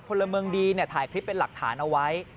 พลเมืองดีถ่ายคลิปเป็นหลักฐานเอาไว้